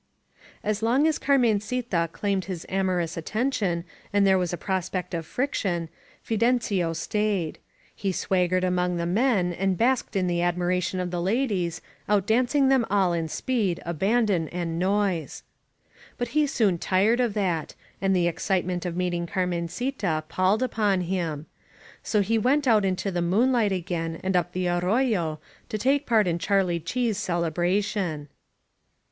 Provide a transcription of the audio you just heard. As long as Carmencita claimed his amorous atten tion and there was a prospect of friction, Fidencio stayed. He swaggered among the men and basked in 800 HAPPY VALLEY the admiration of the ladies, outdancing them all in speed, abandon and noise. But he soon tired of that, and the excitement of meeting Carmencita palled upon him. So he went out into the moonlight again and up the arroyo, to take part in CharHe Chee's celebration.